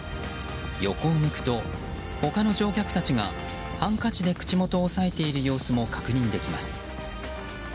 横を向くと、他の乗客たちがハンカチで口元を押さえている様子も確認できます。